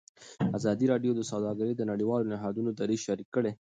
ازادي راډیو د سوداګري د نړیوالو نهادونو دریځ شریک کړی.